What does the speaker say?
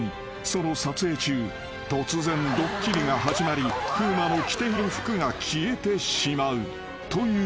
その撮影中突然ドッキリが始まり風磨の着ている服が消えてしまうということなのだ］